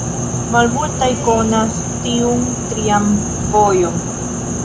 Malmultaj konas tiun trian vojon.